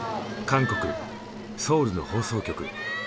韓国・ソウルの放送局。